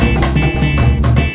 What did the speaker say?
masih gak diangkat